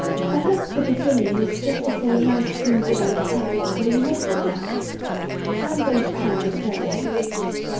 Perhaps the beginning is just to say nice things are going to happen until you make them happen. I am going to try and experiment."